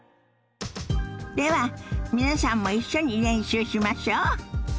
では皆さんも一緒に練習しましょ。